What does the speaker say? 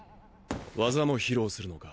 技も披露するのか？